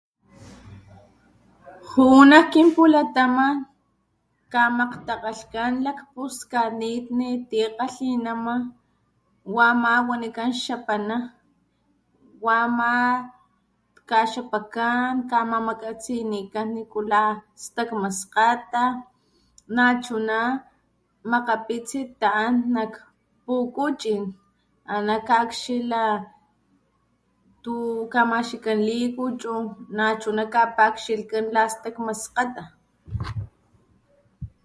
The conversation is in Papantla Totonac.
Ju'u nak kinpulataman kamakgtakgalhkan lakpuskanitni tikgalhinama wama wanikán xapana, wama kaxapakan kamamakatsinikan nikula stakma skgata nachuna makgapitsi ta´an nak pukuchín ana kakxila tu kamaxkikán likuchu nachuna kapa´akxilhkan nikula stakma skgata.